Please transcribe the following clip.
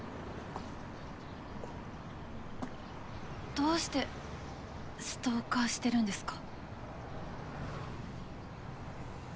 どうしてストーカーしてるんですか？